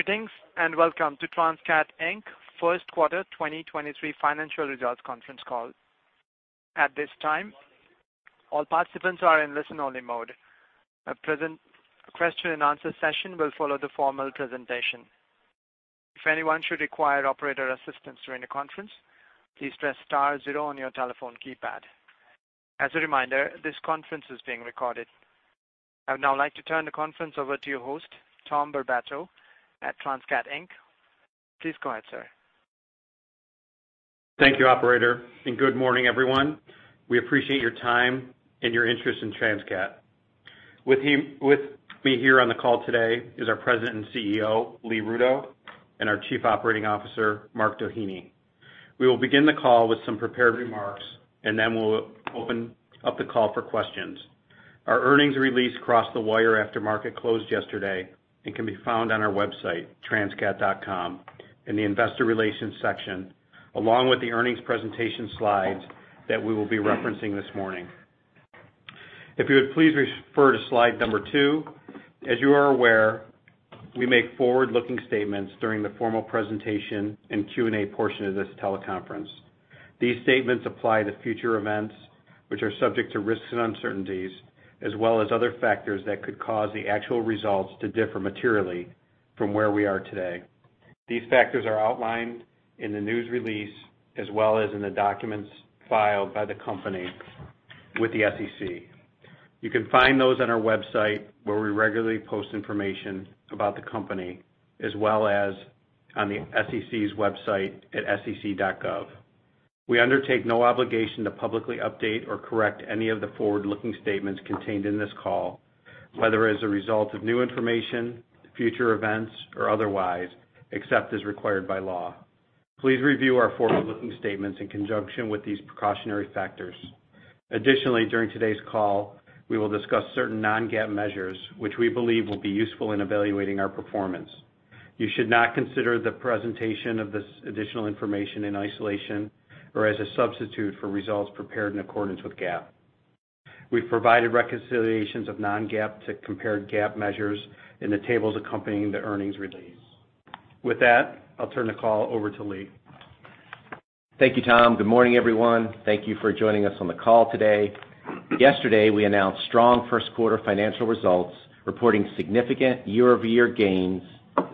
Greetings, and welcome to Transcat, Inc. First Quarter 2023 Financial Results Conference Call. At this time, all participants are in listen-only mode. A question and answer session will follow the formal presentation. If anyone should require operator assistance during the conference, please press star zero on your telephone keypad. As a reminder, this conference is being recorded. I would now like to turn the conference over to your host, Tom Barbato at Transcat, Inc. Please go ahead, sir. Thank you operator, and good morning everyone. We appreciate your time and your interest in Transcat. With me here on the call today is our President and CEO, Lee Rudow, and our Chief Operating Officer, Mark Doheny. We will begin the call with some prepared remarks and then we'll open up the call for questions. Our earnings release crossed the wire after market closed yesterday and can be found on our website, transcat.com in the investor relations section, along with the earnings presentation slides that we will be referencing this morning. If you would please refer to slide number two. As you are aware, we make forward-looking statements during the formal presentation and Q&A portion of this teleconference. These statements apply to future events, which are subject to risks and uncertainties, as well as other factors that could cause the actual results to differ materially from where we are today. These factors are outlined in the news release as well as in the documents filed by the company with the SEC. You can find those on our website where we regularly post information about the company as well as on the SEC's website at sec.gov. We undertake no obligation to publicly update or correct any of the forward-looking statements contained in this call, whether as a result of new information, future events or otherwise, except as required by law. Please review our forward-looking statements in conjunction with these precautionary factors. Additionally, during today's call, we will discuss certain non-GAAP measures, which we believe will be useful in evaluating our performance. You should not consider the presentation of this additional information in isolation or as a substitute for results prepared in accordance with GAAP. We've provided reconciliations of non-GAAP to comparable GAAP measures in the tables accompanying the earnings release. With that, I'll turn the call over to Lee. Thank you, Tom. Good morning, everyone. Thank you for joining us on the call today. Yesterday, we announced strong first-quarter financial results, reporting significant year-over-year gains,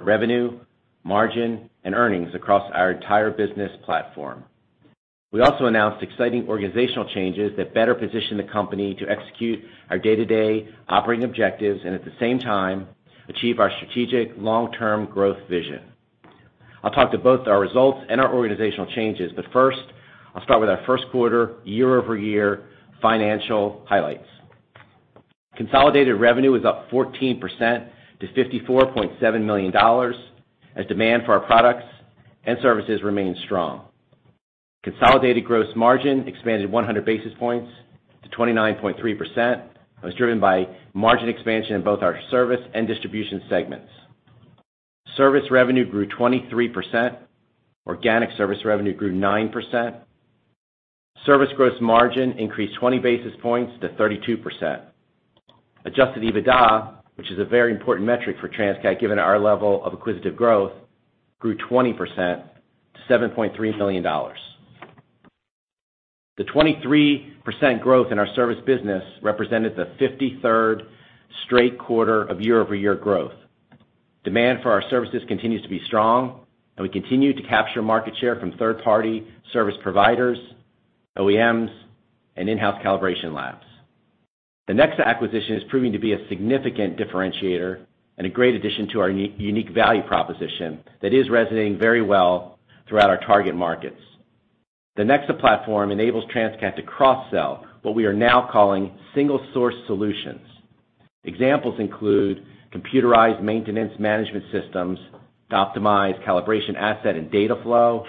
revenue, margin, and earnings across our entire business platform. We also announced exciting organizational changes that better position the company to execute our day-to-day operating objectives and at the same time, achieve our strategic long-term growth vision. I'll talk to both our results and our organizational changes, but first I'll start with our first quarter year-over-year financial highlights. Consolidated revenue was up 14% to $54.7 million as demand for our products and services remained strong. Consolidated gross margin expanded 100 basis points to 29.3% and was driven by margin expansion in both our service and distribution segments. Service revenue grew 23%. Organic service revenue grew 9%. Service gross margin increased 20 basis points to 32%. Adjusted EBITDA, which is a very important metric for Transcat given our level of acquisitive growth, grew 20% to $7.3 million. The 23% growth in our service business represented the 53rd straight quarter of year-over-year growth. Demand for our services continues to be strong, and we continue to capture market share from third-party service providers, OEMs, and in-house calibration labs. The next acquisition is proving to be a significant differentiator and a great addition to our unique value proposition that is resonating very well throughout our target markets. The NEXA platform enables Transcat to cross-sell what we are now calling single-source solutions. Examples include computerized maintenance management systems to optimize calibration asset and data flow,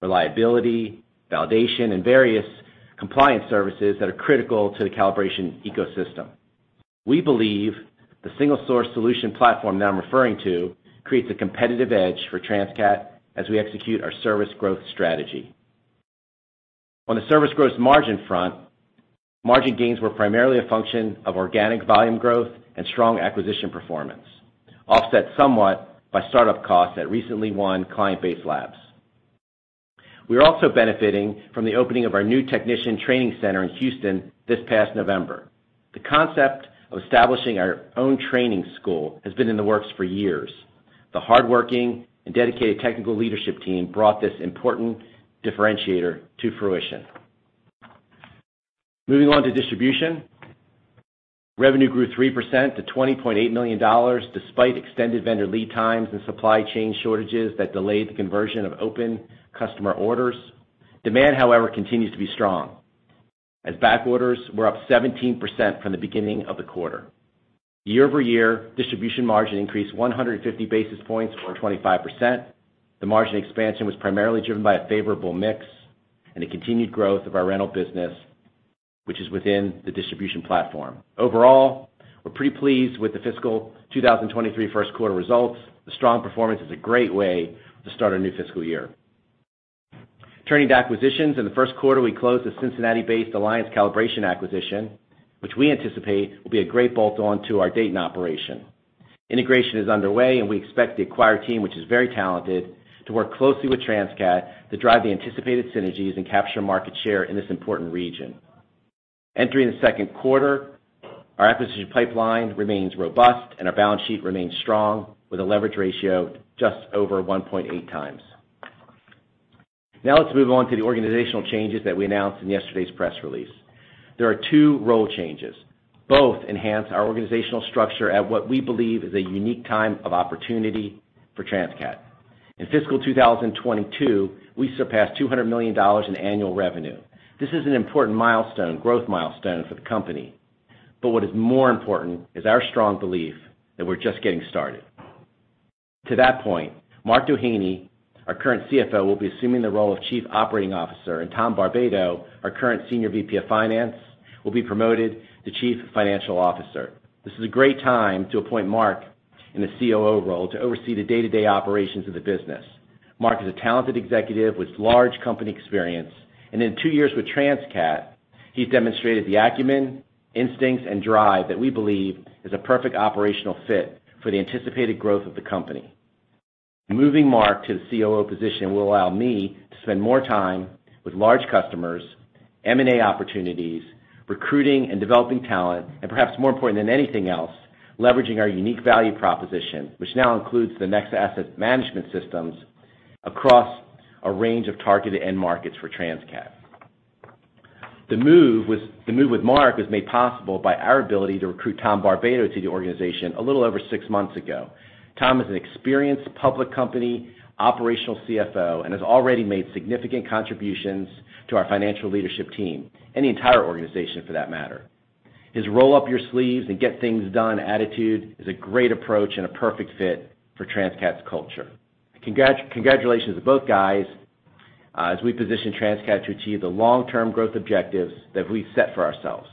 reliability, validation, and various compliance services that are critical to the calibration ecosystem. We believe the single source solution platform that I'm referring to creates a competitive edge for Transcat as we execute our service growth strategy. On the service gross margin front, margin gains were primarily a function of organic volume growth and strong acquisition performance, offset somewhat by start-up costs at recently won client-based labs. We are also benefiting from the opening of our new technician training center in Houston this past November. The concept of establishing our own training school has been in the works for years. The hardworking and dedicated technical leadership team brought this important differentiator to fruition. Moving on to distribution. Revenue grew 3% to $20.8 million despite extended vendor lead times and supply chain shortages that delayed the conversion of open customer orders. Demand, however, continues to be strong as back orders were up 17% from the beginning of the quarter. Year-over-year distribution margin increased 150 basis points or 25%. The margin expansion was primarily driven by a favorable mix and a continued growth of our rental business, which is within the distribution platform. Overall, we're pretty pleased with the fiscal 2023 first quarter results. The strong performance is a great way to start our new fiscal year. Turning to acquisitions, in the first quarter, we closed the Cincinnati-based Alliance Calibration acquisition, which we anticipate will be a great bolt-on to our Dayton operation. Integration is underway, and we expect the acquired team, which is very talented, to work closely with Transcat to drive the anticipated synergies and capture market share in this important region. Entering the second quarter, our acquisition pipeline remains robust and our balance sheet remains strong with a leverage ratio just over 1.8x. Now let's move on to the organizational changes that we announced in yesterday's press release. There are two role changes. Both enhance our organizational structure at what we believe is a unique time of opportunity for Transcat. In fiscal 2022, we surpassed $200 million in annual revenue. This is an important milestone, growth milestone for the company. What is more important is our strong belief that we're just getting started. To that point, Mark Doheny, our current CFO, will be assuming the role of Chief Operating Officer, and Tom Barbato, our current Senior VP of Finance, will be promoted to Chief Financial Officer. This is a great time to appoint Mark in the COO role to oversee the day-to-day operations of the business. Mark is a talented executive with large company experience, and in two years with Transcat, he's demonstrated the acumen, instincts, and drive that we believe is a perfect operational fit for the anticipated growth of the company. Moving Mark to the COO position will allow me to spend more time with large customers, M&A opportunities, recruiting and developing talent, and perhaps more important than anything else, leveraging our unique value proposition, which now includes the NEXA Asset Management Systems across a range of targeted end markets for Transcat. The move with Mark was made possible by our ability to recruit Tom Barbato to the organization a little over six months ago. Tom is an experienced public company operational CFO and has already made significant contributions to our financial leadership team and the entire organization for that matter. His roll up your sleeves and get things done attitude is a great approach and a perfect fit for Transcat's culture. Congratulations to both guys, as we position Transcat to achieve the long-term growth objectives that we've set for ourselves.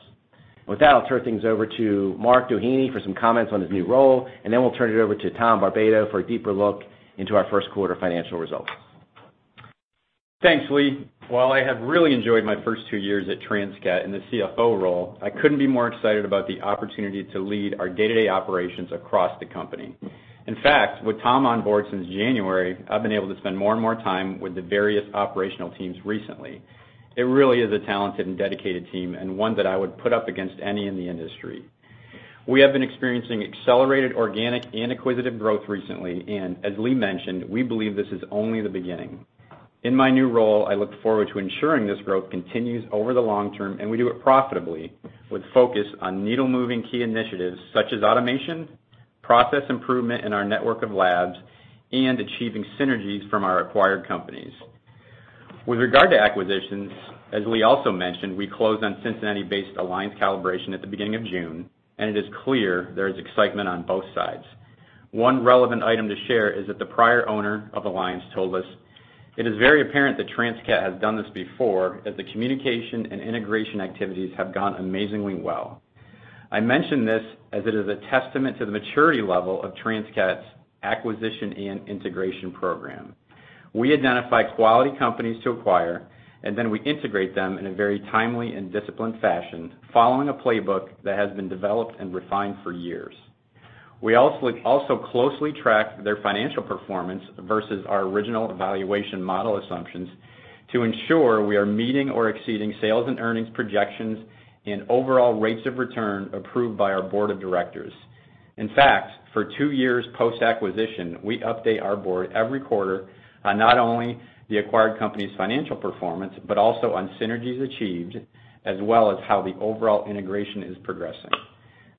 With that, I'll turn things over to Mark Doheny for some comments on his new role, and then we'll turn it over to Tom Barbato for a deeper look into our first quarter financial results. Thanks, Lee. While I have really enjoyed my first two years at Transcat in the CFO role, I couldn't be more excited about the opportunity to lead our day-to-day operations across the company. In fact, with Tom on board since January, I've been able to spend more and more time with the various operational teams recently. It really is a talented and dedicated team and one that I would put up against any in the industry. We have been experiencing accelerated organic and acquisitive growth recently, and as Lee mentioned, we believe this is only the beginning. In my new role, I look forward to ensuring this growth continues over the long term, and we do it profitably with focus on needle-moving key initiatives such as automation, process improvement in our network of labs, and achieving synergies from our acquired companies. With regard to acquisitions, as Lee also mentioned, we closed on Cincinnati-based Alliance Calibration at the beginning of June, and it is clear there is excitement on both sides. One relevant item to share is that the prior owner of Alliance told us it is very apparent that Transcat has done this before, as the communication and integration activities have gone amazingly well. I mention this as it is a testament to the maturity level of Transcat's acquisition and integration program. We identify quality companies to acquire, and then we integrate them in a very timely and disciplined fashion following a playbook that has been developed and refined for years. We also closely track their financial performance versus our original evaluation model assumptions to ensure we are meeting or exceeding sales and earnings projections and overall rates of return approved by our board of directors. In fact, for two years post-acquisition, we update our board every quarter on not only the acquired company's financial performance, but also on synergies achieved as well as how the overall integration is progressing.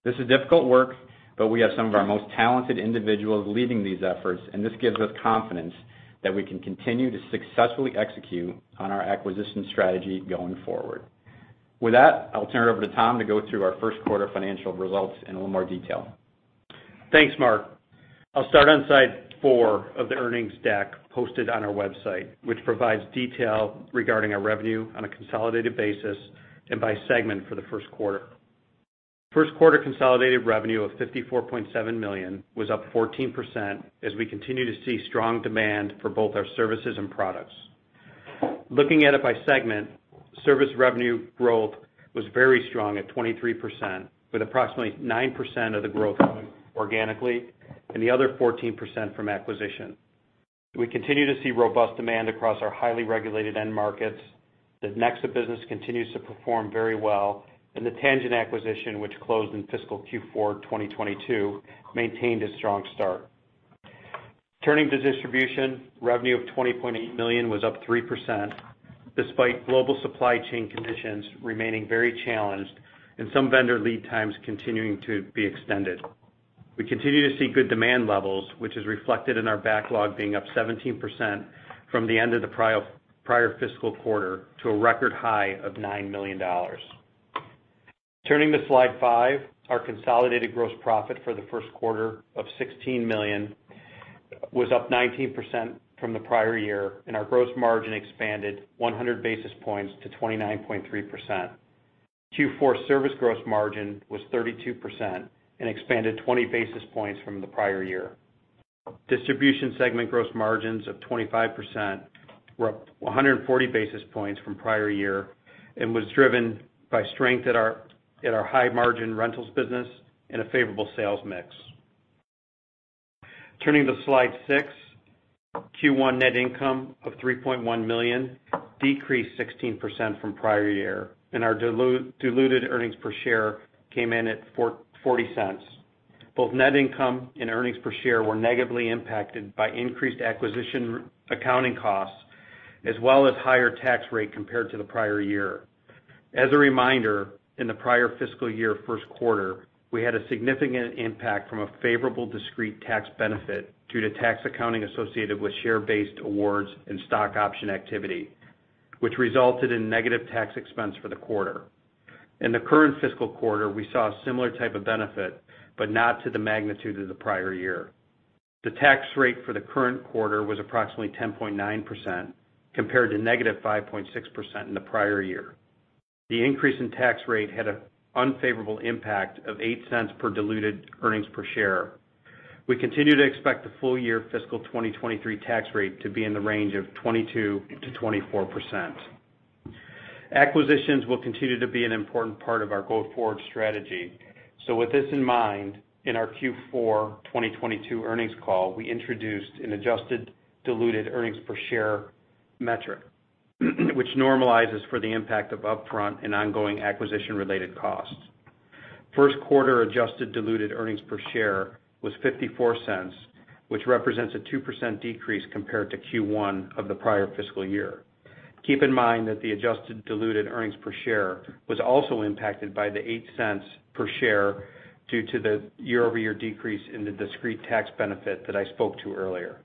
This is difficult work, but we have some of our most talented individuals leading these efforts, and this gives us confidence that we can continue to successfully execute on our acquisition strategy going forward. With that, I'll turn it over to Tom to go through our first quarter financial results in a little more detail. Thanks, Mark. I'll start on slide four of the earnings deck posted on our website, which provides detail regarding our revenue on a consolidated basis and by segment for the first quarter. First quarter consolidated revenue of $54.7 million was up 14% as we continue to see strong demand for both our services and products. Looking at it by segment, service revenue growth was very strong at 23%, with approximately 9% of the growth coming organically and the other 14% from acquisition. We continue to see robust demand across our highly regulated end markets. The NEXA business continues to perform very well, and the Tangent acquisition, which closed in fiscal Q4 2022, maintained a strong start. Turning to distribution, revenue of $20.8 million was up 3% despite global supply chain conditions remaining very challenged and some vendor lead times continuing to be extended. We continue to see good demand levels, which is reflected in our backlog being up 17% from the end of the prior fiscal quarter to a record high of $9 million. Turning to slide five, our consolidated gross profit for the first quarter of $16 million was up 19% from the prior year, and our gross margin expanded 100 basis points to 29.3%. Q4 service gross margin was 32% and expanded 20 basis points from the prior year. Distribution segment gross margins of 25% were up 140 basis points from prior year and was driven by strength at our high-margin rentals business and a favorable sales mix. Turning to slide six. Q1 net income of $3.1 million decreased 16% from prior year, and our diluted earnings per share came in at $0.40. Both net income and earnings per share were negatively impacted by increased acquisition accounting costs as well as higher tax rate compared to the prior year. As a reminder, in the prior fiscal year first quarter, we had a significant impact from a favorable discrete tax benefit due to tax accounting associated with share-based awards and stock option activity, which resulted in negative tax expense for the quarter. In the current fiscal quarter, we saw a similar type of benefit, but not to the magnitude of the prior year. The tax rate for the current quarter was approximately 10.9%, compared to -5.6% in the prior year. The increase in tax rate had a unfavorable impact of $0.08 per diluted earnings per share. We continue to expect the full-year fiscal 2023 tax rate to be in the range of 22%-24%. Acquisitions will continue to be an important part of our go-forward strategy. With this in mind, in our Q4 2022 earnings call, we introduced an adjusted diluted earnings per share metric, which normalizes for the impact of upfront and ongoing acquisition-related costs. First quarter adjusted diluted earnings per share was $0.54, which represents a 2% decrease compared to Q1 of the prior fiscal year. Keep in mind that the adjusted diluted earnings per share was also impacted by the $0.08 per share due to the year-over-year decrease in the discrete tax benefit that I spoke to earlier.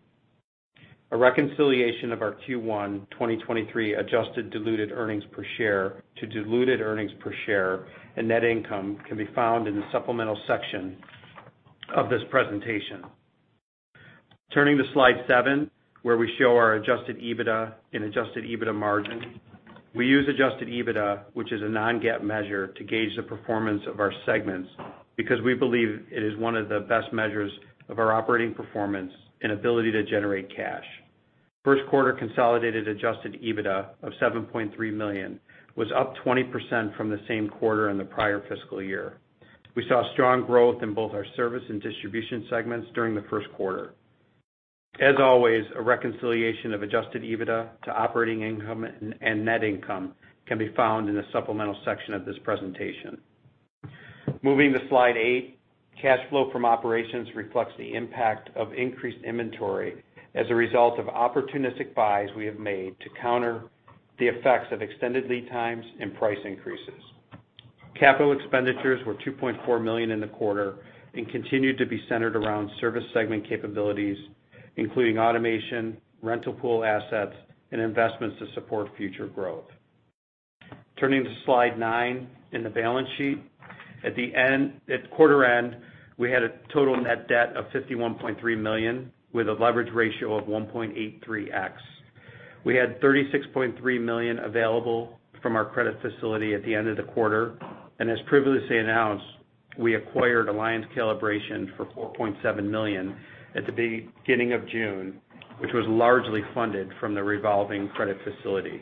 A reconciliation of our Q1 2023 adjusted diluted earnings per share to diluted earnings per share and net income can be found in the supplemental section of this presentation. Turning to slide seven, where we show our adjusted EBITDA and adjusted EBITDA margin. We use adjusted EBITDA, which is a non-GAAP measure, to gauge the performance of our segments because we believe it is one of the best measures of our operating performance and ability to generate cash. First quarter consolidated adjusted EBITDA of $7.3 million was up 20% from the same quarter in the prior fiscal year. We saw strong growth in both our service and distribution segments during the first quarter. As always, a reconciliation of adjusted EBITDA to operating income and net income can be found in the supplemental section of this presentation. Moving to slide eight, cash flow from operations reflects the impact of increased inventory as a result of opportunistic buys we have made to counter the effects of extended lead times and price increases. Capital expenditures were $2.4 million in the quarter and continued to be centered around service segment capabilities, including automation, rental pool assets, and investments to support future growth. Turning to slide nine in the balance sheet. At quarter end, we had a total net debt of $51.3 million, with a leverage ratio of 1.83x. We had $36.3 million available from our credit facility at the end of the quarter, and as previously announced, we acquired Alliance Calibration for $4.7 million at the beginning of June, which was largely funded from the revolving credit facility.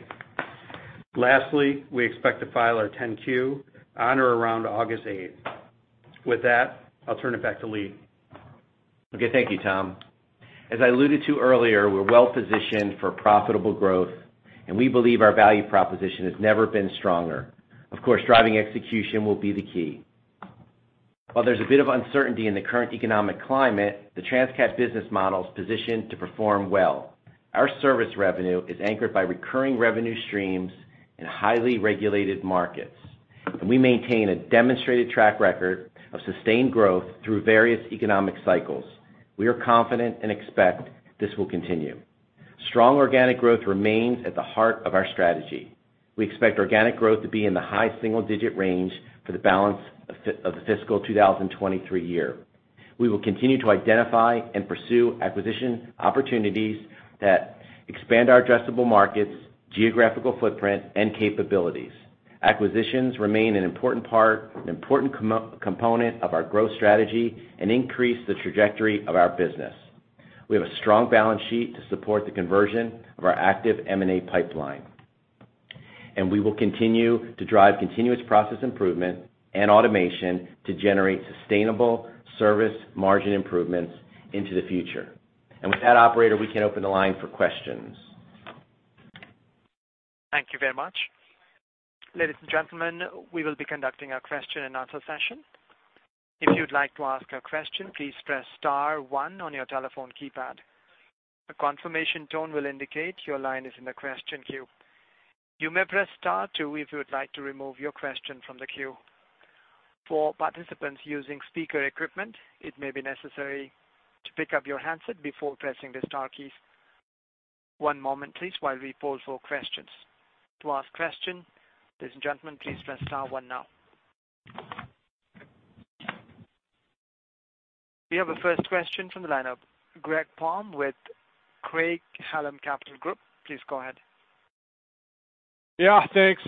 Lastly, we expect to file our 10-Q on or around August eighth. With that, I'll turn it back to Lee. Okay, thank you, Tom. As I alluded to earlier, we're well-positioned for profitable growth, and we believe our value proposition has never been stronger. Of course, driving execution will be the key. While there's a bit of uncertainty in the current economic climate, the Transcat business model is positioned to perform well. Our service revenue is anchored by recurring revenue streams in highly regulated markets, and we maintain a demonstrated track record of sustained growth through various economic cycles. We are confident and expect this will continue. Strong organic growth remains at the heart of our strategy. We expect organic growth to be in the high single-digit range for the balance of the fiscal 2023 year. We will continue to identify and pursue acquisition opportunities that expand our addressable markets, geographical footprint, and capabilities. Acquisitions remain an important part, an important component of our growth strategy and increase the trajectory of our business. We have a strong balance sheet to support the conversion of our active M&A pipeline, and we will continue to drive continuous process improvement and automation to generate sustainable service margin improvements into the future. With that operator, we can open the line for questions. Thank you very much. Ladies and gentlemen, we will be conducting a question-and-answer session. If you'd like to ask a question, please press star one on your telephone keypad. A confirmation tone will indicate your line is in the question queue. You may press star two if you would like to remove your question from the queue. For participants using speaker equipment, it may be necessary to pick up your handset before pressing the star keys. One moment please while we poll for questions. To ask a question, ladies and gentlemen, please press star one now. We have a first question from the lineup, Greg Palm with Craig-Hallum Capital Group. Please go ahead. Yeah, thanks.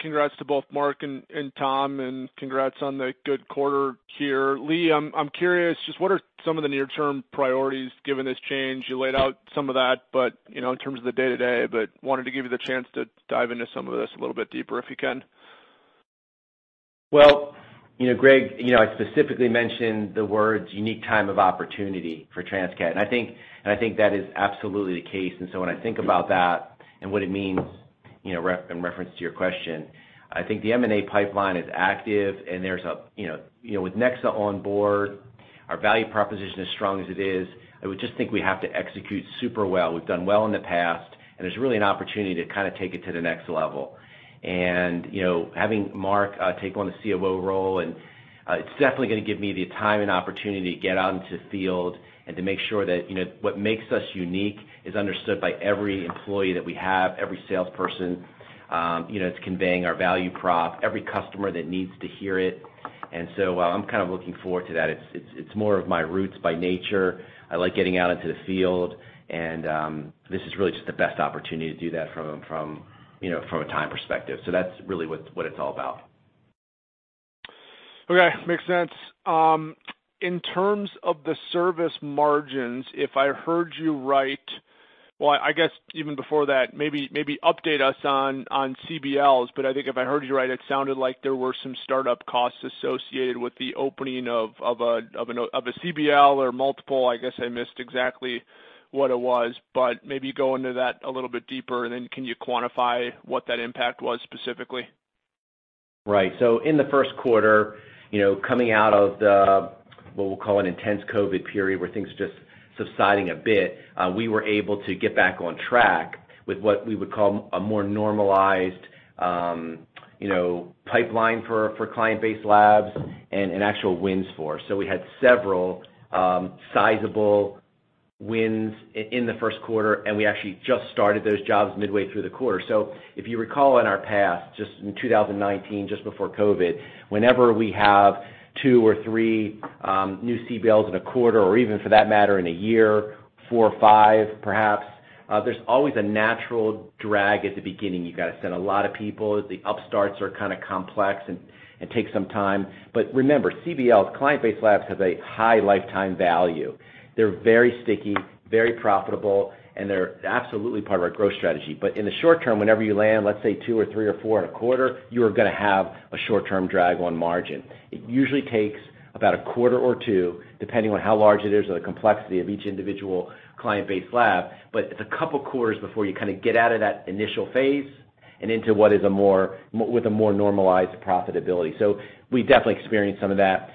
Congrats to both Mark and Tom, and congrats on the good quarter here. Lee, I'm curious, just what are some of the near-term priorities given this change? You laid out some of that, but you know, in terms of the day-to-day, but wanted to give you the chance to dive into some of this a little bit deeper, if you can. Well, you know, Greg, you know, I specifically mentioned the words unique time of opportunity for Transcat. I think that is absolutely the case. When I think about that and what it means, you know, in reference to your question, I think the M&A pipeline is active, and there's a, you know, you know, with NEXA on board, our value proposition as strong as it is, I would just think we have to execute super well. We've done well in the past, and there's really an opportunity to kind of take it to the next level. Having Mark take on the COO role, it's definitely gonna give me the time and opportunity to get out into field and to make sure that, you know, what makes us unique is understood by every employee that we have, every salesperson, you know, it's conveying our value prop, every customer that needs to hear it. I'm kind of looking forward to that. It's more of my roots by nature. I like getting out into the field and this is really just the best opportunity to do that from, you know, from a time perspective. That's really what it's all about. Okay. Makes sense. In terms of the service margins, if I heard you right. Well, I guess even before that, maybe update us on CBLs, but I think if I heard you right, it sounded like there were some start-up costs associated with the opening of a CBL or multiple, I guess I missed exactly what it was, but maybe go into that a little bit deeper, and then can you quantify what that impact was specifically? Right. In the first quarter, you know, coming out of the what we'll call an intense COVID period where things are just subsiding a bit, we were able to get back on track with what we would call a more normalized, you know, pipeline for client-based labs and an actual wins forecast. We had several sizable wins in the first quarter, and we actually just started those jobs midway through the quarter. If you recall in our past, just in 2019, just before COVID, whenever we have two or three new CBLs in a quarter or even for that matter in a year, four or five, perhaps, there's always a natural drag at the beginning. You gotta send a lot of people. The upstarts are kinda complex and take some time. Remember, CBLs, client-based labs, have a high lifetime value. They're very sticky, very profitable, and they're absolutely part of our growth strategy. In the short term, whenever you land, let's say two or three or four in a quarter, you are gonna have a short-term drag on margin. It usually takes about a quarter or two, depending on how large it is or the complexity of each individual client-based lab, but it's a couple quarters before you kinda get out of that initial phase and into a more normalized profitability. We definitely experienced some of that.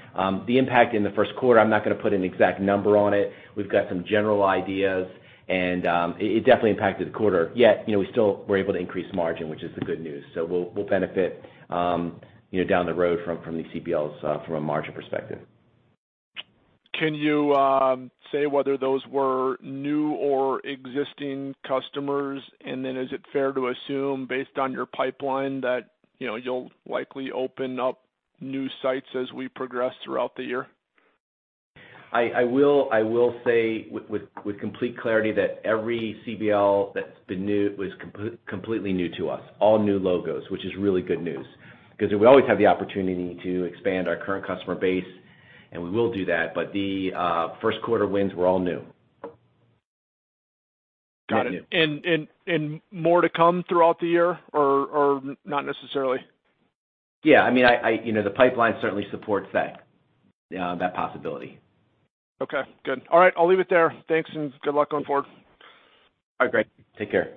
The impact in the first quarter, I'm not gonna put an exact number on it. We've got some general ideas, and it definitely impacted the quarter, yet, you know, we still were able to increase margin, which is the good news. We'll benefit, you know, down the road from the CBLs from a margin perspective. Can you say whether those were new or existing customers? Is it fair to assume based on your pipeline that, you know, you'll likely open up new sites as we progress throughout the year? I will say with complete clarity that every CBL that's been new was completely new to us, all new logos, which is really good news. 'Cause we always have the opportunity to expand our current customer base, and we will do that. The first quarter wins were all new. Got it. More to come throughout the year or not necessarily? Yeah. I mean, you know, the pipeline certainly supports that possibility. Okay. Good. All right. I'll leave it there. Thanks, and good luck going forward. All right, Greg. Take care.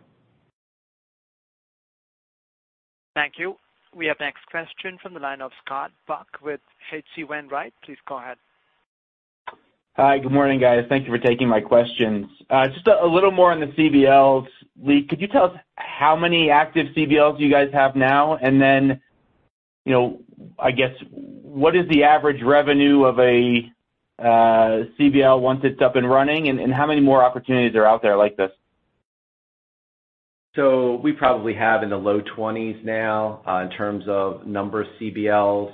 Thank you. We have next question from the line of Scott Buck with H.C. Wainwright. Please go ahead. Hi. Good morning, guys. Thank you for taking my questions. Just a little more on the CBLs. Lee, could you tell us how many active CBLs you guys have now? You know, I guess, what is the average revenue of a CBL once it's up and running, and how many more opportunities are out there like this? We probably have in the low 20s now in terms of number of CBLs.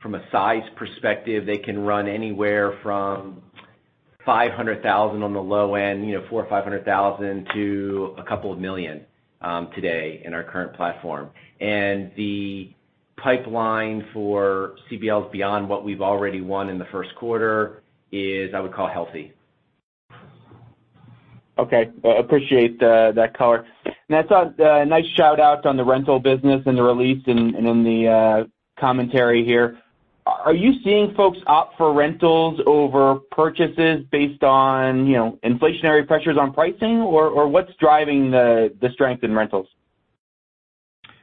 From a size perspective, they can run anywhere from $500,000 on the low end, you know, $400,000 or $500,000 to a couple of million today in our current platform. The pipeline for CBLs beyond what we've already won in the first quarter is, I would call, healthy. Okay. Appreciate that color. I saw a nice shout-out on the rental business and the release in the commentary here. Are you seeing folks opt for rentals over purchases based on, you know, inflationary pressures on pricing or what's driving the strength in rentals?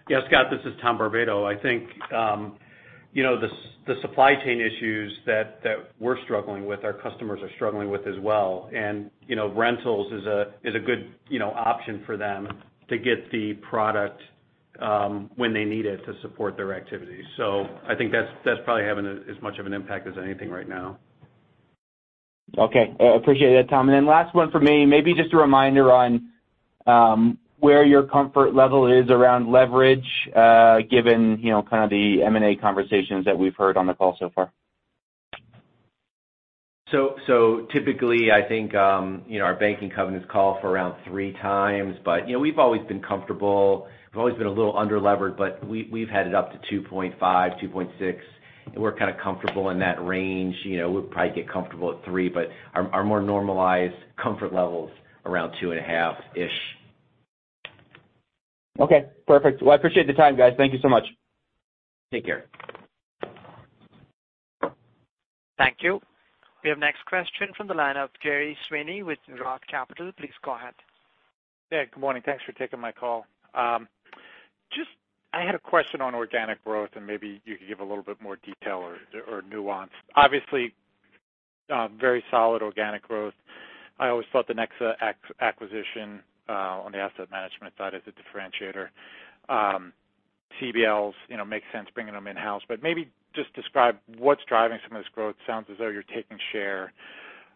Yeah, Scott, this is Tom Barbato. I think, you know, the supply chain issues that we're struggling with, our customers are struggling with as well. You know, rentals is a good, you know, option for them to get the product, when they need it to support their activities. I think that's probably having as much of an impact as anything right now. Okay. Appreciate that, Tom. Last one for me, maybe just a reminder on where your comfort level is around leverage, given, you know, kind of the M&A conversations that we've heard on the call so far. Typically I think, you know, our banking covenants call for around 3x, but, you know, we've always been comfortable. We've always been a little underleveraged, but we've had it up to 2.5x, 2.6x, and we're kind of comfortable in that range. You know, we'll probably get comfortable at 3x, but our more normalized comfort level's around 2.5x-ish. Okay, perfect. Well, I appreciate the time, guys. Thank you so much. Take care. Thank you. We have next question from the line of Gerry Sweeney with ROTH Capital. Please go ahead. Yeah, good morning. Thanks for taking my call. Just I had a question on organic growth, and maybe you could give a little bit more detail or nuance. Obviously, very solid organic growth. I always thought the NEXA acquisition, on the asset management side is a differentiator. CBLs, you know, makes sense bringing them in-house, but maybe just describe what's driving some of this growth. Sounds as though you're taking share.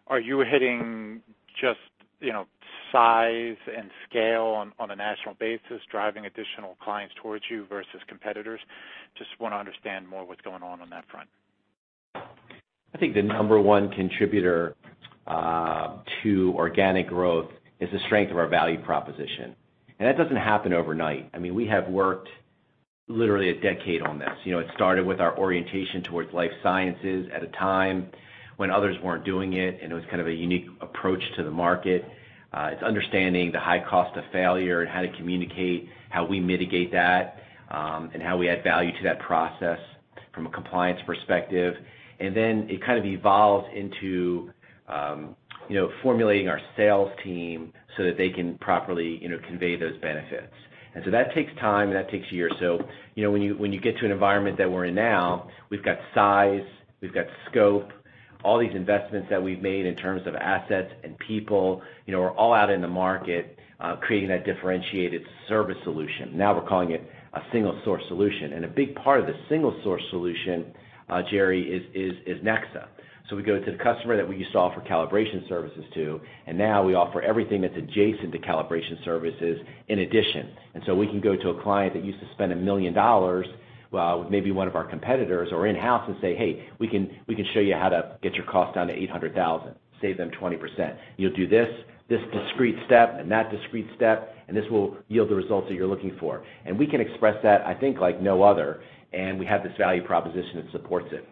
Are you hitting just, you know, size and scale on a national basis, driving additional clients towards you versus competitors? Just wanna understand more what's going on on that front. I think the number one contributor to organic growth is the strength of our value proposition. That doesn't happen overnight. I mean, we have worked literally a decade on this. You know, it started with our orientation towards life sciences at a time when others weren't doing it, and it was kind of a unique approach to the market. It's understanding the high cost of failure and how to communicate how we mitigate that, and how we add value to that process from a compliance perspective. Then it kind of evolves into, you know, formulating our sales team so that they can properly, you know, convey those benefits. That takes time, and that takes years. You know, when you get to an environment that we're in now, we've got size, we've got scope, all these investments that we've made in terms of assets and people, you know, are all out in the market, creating that differentiated service solution. Now we're calling it a single-source solution. A big part of the single-source solution, Gerry, is NEXA. We go to the customer that we used to offer calibration services to, and now we offer everything that's adjacent to calibration services in addition. We can go to a client that used to spend $1 million with maybe one of our competitors or in-house and say, "Hey, we can show you how to get your cost down to $800,000," save them 20%. You'll do this discrete step and that discrete step, and this will yield the results that you're looking for. We can express that, I think, like no other, and we have this value proposition that supports it.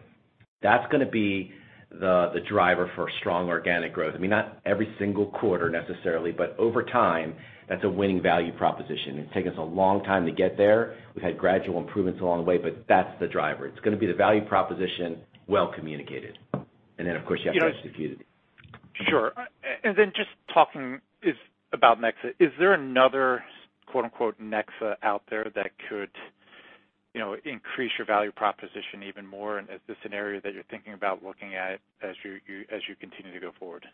That's gonna be the driver for strong organic growth. I mean, not every single quarter necessarily, but over time, that's a winning value proposition. It's taken us a long time to get there. We've had gradual improvements along the way, but that's the driver. It's gonna be the value proposition well communicated. Of course, you have to execute it. Sure. Just talking about NEXA, is there another quote-unquote NEXA out there that could, you know, increase your value proposition even more? Is this an area that you're thinking about looking at as you're as you continue to go forward?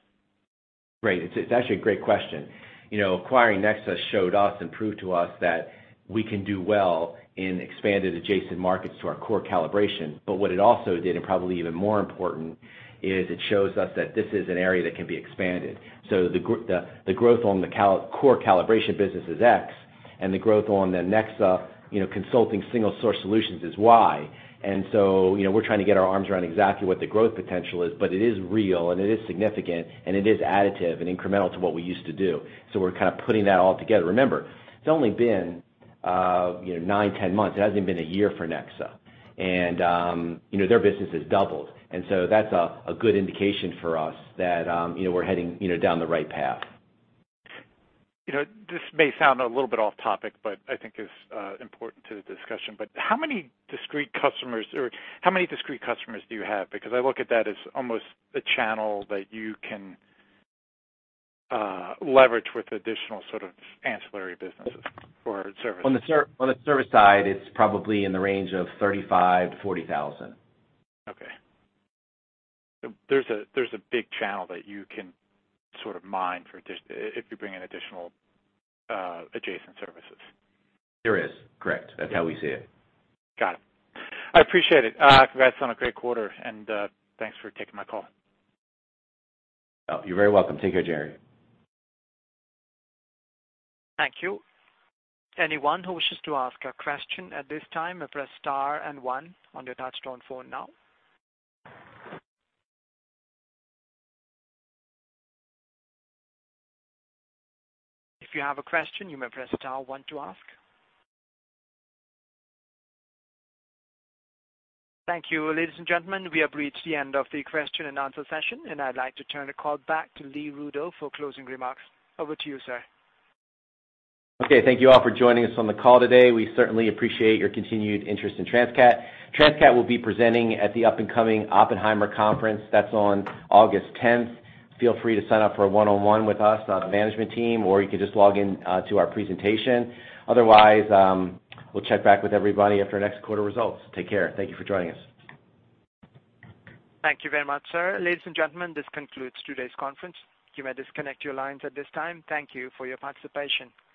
Great. It's actually a great question. You know, acquiring NEXA showed us and proved to us that we can do well in expanded adjacent markets to our core calibration. What it also did, and probably even more important, is it shows us that this is an area that can be expanded. The growth on the core calibration business is X, and the growth on the NEXA, you know, consulting single source solutions is Y. We're trying to get our arms around exactly what the growth potential is, but it is real and it is significant, and it is additive and incremental to what we used to do. We're kind of putting that all together. Remember, it's only been, you know, 9, 10 months. It hasn't been a year for NEXA. You know, their business has doubled. That's a good indication for us that, you know, we're heading, you know, down the right path. You know, this may sound a little bit off topic, but I think it's important to the discussion. How many discrete customers do you have? Because I look at that as almost a channel that you can leverage with additional sort of ancillary businesses or services. On the service side, it's probably in the range of $35,000-$40,000. Okay. There's a big channel that you can sort of mine for additional, if you bring in additional adjacent services. There is, correct. That's how we see it. Got it. I appreciate it. Congrats on a great quarter, and, thanks for taking my call. Oh, you're very welcome. Take care, Gerry. Thank you. Anyone who wishes to ask a question at this time, press star and one on your touchtone phone now. If you have a question, you may press star one to ask. Thank you. Ladies and gentlemen, we have reached the end of the question and answer session, and I'd like to turn the call back to Lee Rudow for closing remarks. Over to you, sir. Okay. Thank you all for joining us on the call today. We certainly appreciate your continued interest in Transcat. Transcat will be presenting at the up and coming Oppenheimer conference. That's on August 10th. Feel free to sign up for a one-on-one with us, the management team, or you can just log in, to our presentation. Otherwise, we'll check back with everybody after our next quarter results. Take care. Thank you for joining us. Thank you very much, sir. Ladies and gentlemen, this concludes today's conference. You may disconnect your lines at this time. Thank you for your participation.